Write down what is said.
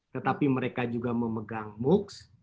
tetapi mereka juga memegang moocs